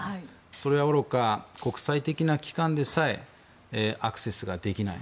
それはおろか国際的な機関でさえアクセスできない。